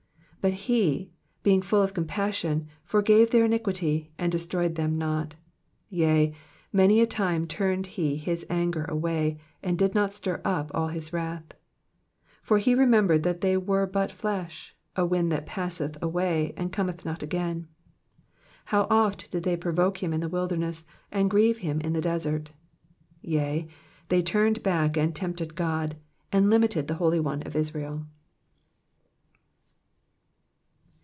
38 But he, det'n^ full of compassion, forgave f/ieir iniquity, and destroyed ///r;;/ not : yea, many a time turned he his anger away, and did not stir up all his wrath. 39 For he remembered that they were btit flesh ; a wind that passeth away, and cometh not again. 40 How oft did they provoke him in the wilderness, and grieve him in the desert ! 41 Yea, they turned back and tempted God, and limited the Holy One of Israel.